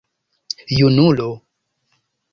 junulo